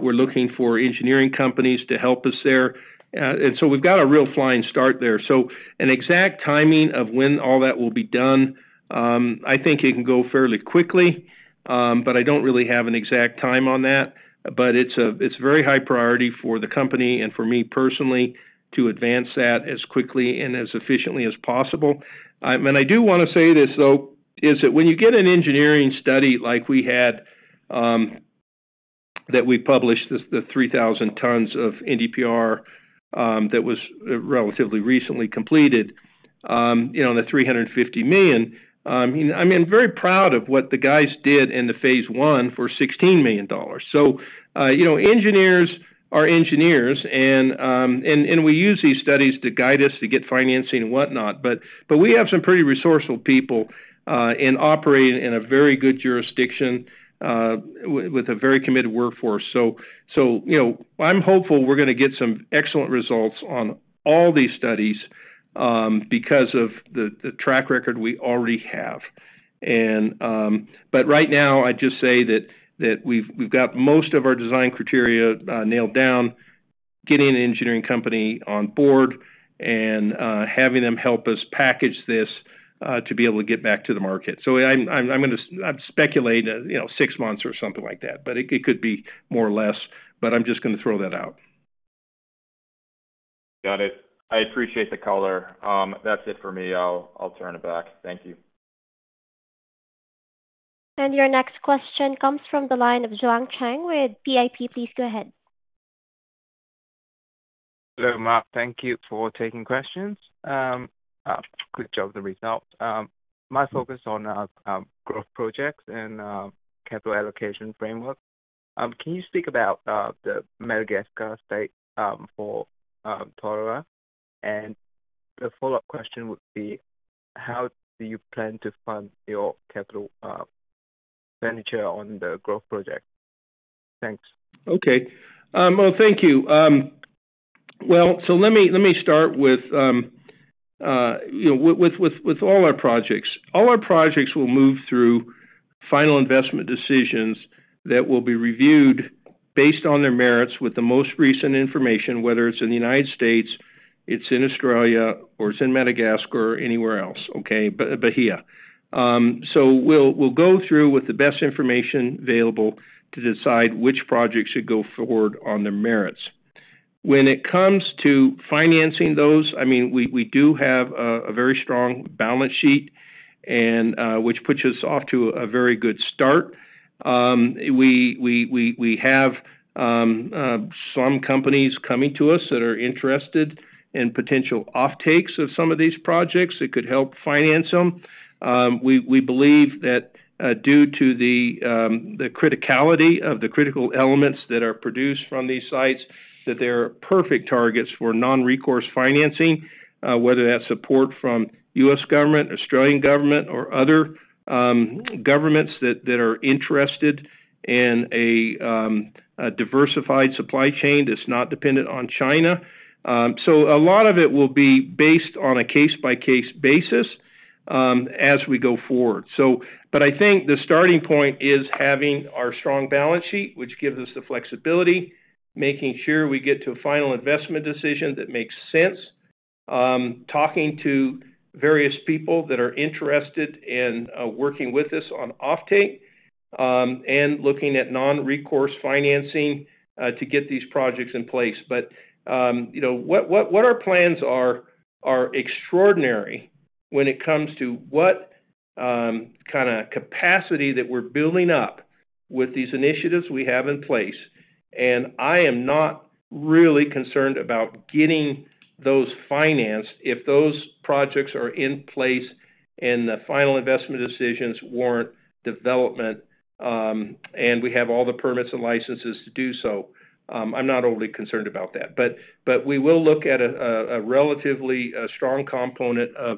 We're looking for engineering companies to help us there. And so we've got a real flying start there. So an exact timing of when all that will be done, I think it can go fairly quickly, but I don't really have an exact time on that. But it's very high priority for the company and for me personally, to advance that as quickly and as efficiently as possible. And I do wanna say this, though, is that when you get an engineering study like we had, that we published, the 3,000 tons of NdPr, that was relatively recently completed, you know, the $350 million. I mean, I'm very proud of what the guys did in the phase I for $16 million. So, you know, engineers are engineers and we use these studies to guide us to get financing and whatnot, but we have some pretty resourceful people, and operating in a very good jurisdiction, with a very committed workforce. So, you know, I'm hopeful we're gonna get some excellent results on all these studies, because of the track record we already have. Right now, I'd just say that we've got most of our design criteria nailed down, getting an engineering company on board and having them help us package this to be able to get back to the market. I'd speculate, you know, six months or something like that, but it could be more or less, but I'm just gonna throw that out. Got it. I appreciate the color. That's it for me. I'll turn it back. Thank you. Your next question comes from the line of Zhuang Cheng with PIP. Please go ahead. Hello, Mark. Thank you for taking questions. Good job with the results. My focus on growth projects and capital allocation framework. Can you speak about the Madagascar state for Toliara? And the follow-up question would be: How do you plan to fund your capital expenditure on the growth project? Thanks. Okay. Well, thank you. Well, so let me start with, you know, with all our projects. All our projects will move through final investment decisions that will be reviewed based on their merits with the most recent information, whether it's in the United States, it's in Australia, or it's in Madagascar or anywhere else, okay? Bahia. So we'll go through with the best information available to decide which projects should go forward on their merits. When it comes to financing those, I mean, we do have a very strong balance sheet, and which puts us off to a very good start. We have some companies coming to us that are interested in potential offtakes of some of these projects that could help finance them. We believe that due to the criticality of the critical elements that are produced from these sites, that they're perfect targets for non-recourse financing, whether that's support from U.S. government, Australian government, or other governments that are interested in a diversified supply chain that's not dependent on China. So a lot of it will be based on a case-by-case basis, as we go forward. But I think the starting point is having our strong balance sheet, which gives us the flexibility, making sure we get to a final investment decision that makes sense, talking to various people that are interested in working with us on offtake, and looking at non-recourse financing to get these projects in place. But, you know, what our plans are are extraordinary when it comes to what kind of capacity that we're building up with these initiatives we have in place. And I am not really concerned about getting those financed. If those projects are in place and the final investment decisions warrant development, and we have all the permits and licenses to do so, I'm not overly concerned about that. But we will look at a relatively strong component of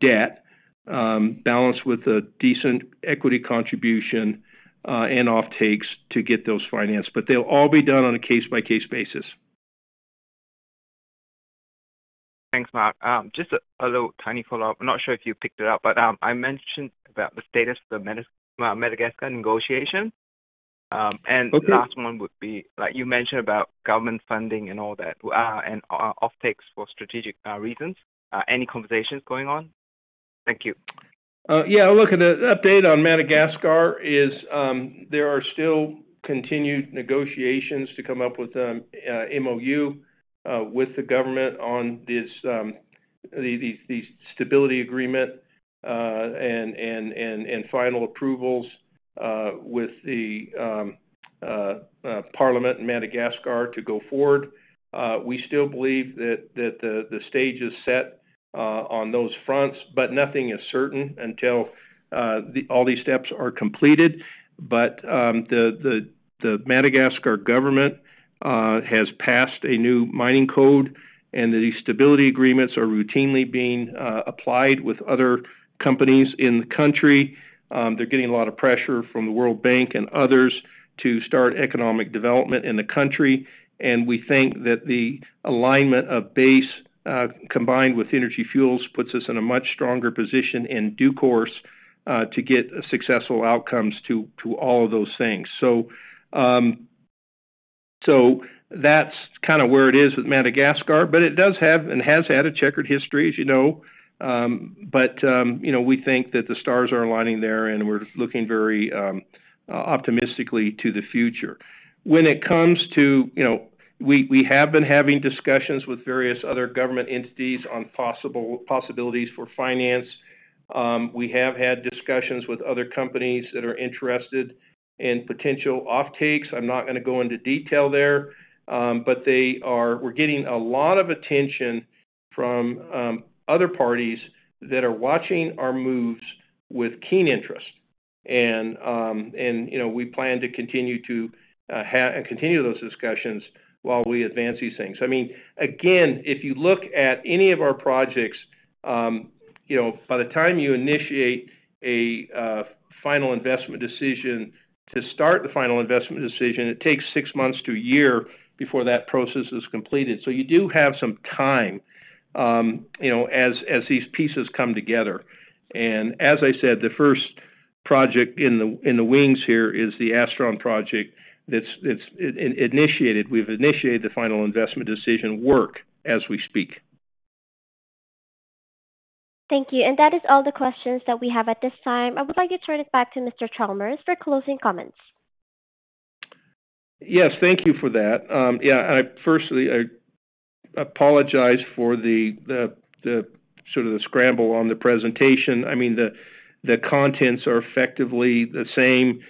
debt balanced with a decent equity contribution, and offtakes to get those financed. But they'll all be done on a case-by-case basis. Thanks, Mark. Just a little tiny follow-up. I'm not sure if you picked it up, but I mentioned about the status of the Madagascar negotiation. Okay. The last one would be, like, you mentioned about government funding and all that, and offtakes for strategic reasons. Any conversations going on? Thank you. Yeah, look, an update on Madagascar is, there are still continued negotiations to come up with MOU with the government on this, the stability agreement, and final approvals with the Parliament in Madagascar to go forward. We still believe that the stage is set on those fronts, but nothing is certain until all these steps are completed. But the Madagascar government has passed a new mining code, and the stability agreements are routinely being applied with other companies in the country. They're getting a lot of pressure from the World Bank and others to start economic development in the country, and we think that the alignment of Base, combined with Energy Fuels, puts us in a much stronger position in due course, to get successful outcomes to all of those things. So, so that's kind of where it is with Madagascar, but it does have and has had a checkered history, as you know. But, you know, we think that the stars are aligning there, and we're looking very, optimistically to the future. When it comes to... You know, we, we have been having discussions with various other government entities on possibilities for finance. We have had discussions with other companies that are interested in potential offtakes. I'm not gonna go into detail there, but we're getting a lot of attention from other parties that are watching our moves with keen interest. And, you know, we plan to continue to continue those discussions while we advance these things. I mean, again, if you look at any of our projects, you know, by the time you initiate a final investment decision, to start the final investment decision, it takes six months to a year before that process is completed. So you do have some time, you know, as these pieces come together. And as I said, the first project in the wings here is the Astron project. That's, it's initiated. We've initiated the final investment decision work as we speak. Thank you. That is all the questions that we have at this time. I would like to turn it back to Mr. Chalmers for closing comments. Yes, thank you for that. Yeah, I firstly apologize for the sort of the scramble on the presentation. I mean, the contents are effectively the same.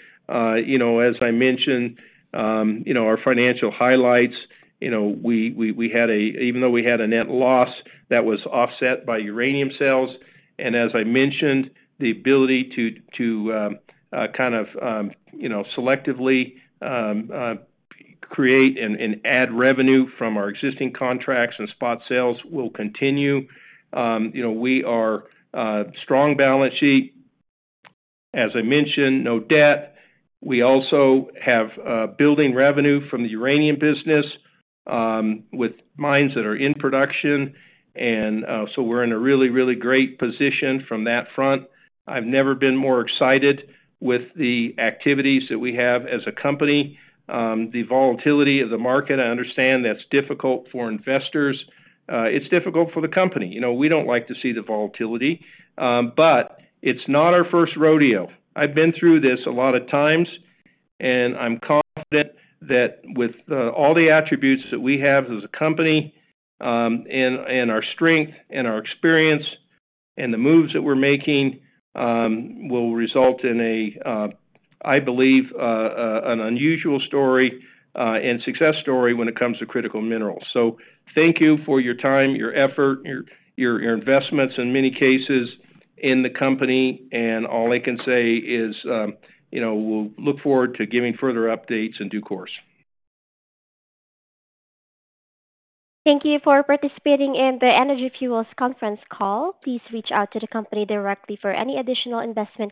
You know, as I mentioned, you know, our financial highlights, you know, we had a... Even though we had a net loss, that was offset by uranium sales. And as I mentioned, the ability to kind of you know, selectively create and add revenue from our existing contracts and spot sales will continue. You know, we are a strong balance sheet. As I mentioned, no debt. We also have building revenue from the uranium business with mines that are in production and so we're in a really, really great position from that front. I've never been more excited with the activities that we have as a company. The volatility of the market, I understand that's difficult for investors. It's difficult for the company. You know, we don't like to see the volatility, but it's not our first rodeo. I've been through this a lot of times, and I'm confident that with all the attributes that we have as a company, and our strength and our experience and the moves that we're making, will result in a, I believe, an unusual story and success story when it comes to critical minerals. So thank you for your time, your effort, your investments in many cases in the company, and all I can say is, you know, we'll look forward to giving further updates in due course. Thank you for participating in the Energy Fuels conference call. Please reach out to the company directly for any additional investment in-